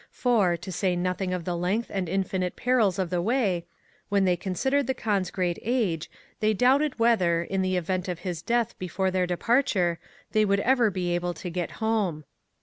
[For, to say nothing of the length and infinite perils of the way, when they considered the Kaan's great age, they doubted whether, in the event of his death before their departure, they would ever be able to get home.